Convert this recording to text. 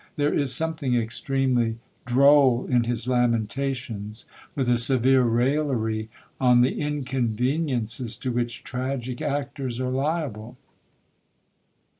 There is something extremely droll in his lamentations, with a severe raillery on the inconveniences to which tragic actors are liable.